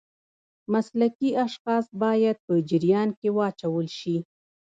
مسلکي اشخاص باید په جریان کې واچول شي.